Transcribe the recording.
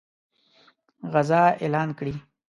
غزا اعلان کړي.